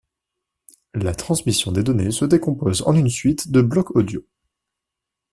La transmission des données se décompose en une suite de blocs audio.